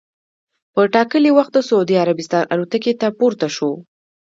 په ټا کلي وخت د سعودي عربستان الوتکې ته پورته سو.